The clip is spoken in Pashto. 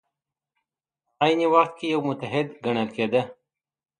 په عین وخت کې یو متحد ګڼل کېده.